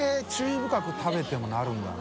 深く食べてもなるんだな。